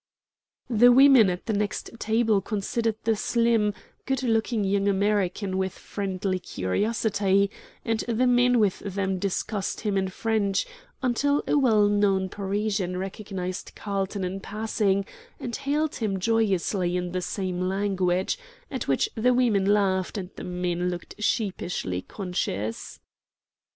The women at the next table considered the slim, good looking young American with friendly curiosity, and the men with them discussed him in French, until a well known Parisian recognized Carlton in passing, and hailed him joyously in the same language, at which the women laughed and the men looked sheepishly conscious.